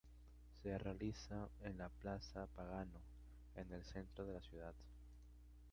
Se realiza en la "Plaza Pagano", en el centro de la ciudad.